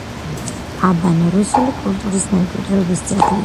აბანო რუსული კულტურის მემკვიდრეობის ძეგლია.